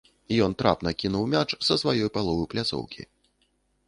Ён трапна кінуў мяч са сваёй паловы пляцоўкі.